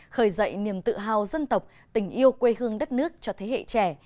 khởi dậy niềm tự hào dân tộc tình yêu quê hương đất nước cho thế hệ trẻ